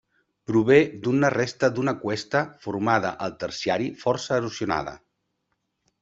Prové d'una resta d'una cuesta formada al terciari força erosionada.